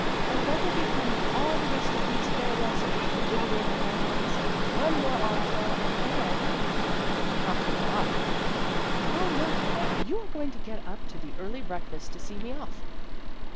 " And what will become of all the rest of these farewell speeches withering on my hands ? One more armful, and then " "Not good bye?" " Oh, no. You are going to get up to the early breakfast to see me off."